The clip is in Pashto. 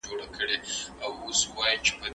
د اسلام مبارک دين بشپړ او شامل دين دی.